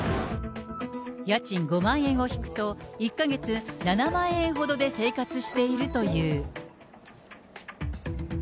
家賃５万円を引くと、１か月７万円ほどで生活しているという。